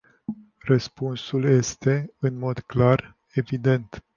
Răspunsul este, în mod clar, evident.